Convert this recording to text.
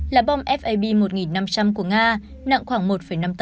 là bom fab một nghìn năm trăm linh của nga nặng khoảng một năm tấn